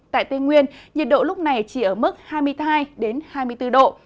tại tây nguyên nhiệt độ lúc này chỉ ở mức hai mươi hai hai mươi bốn độ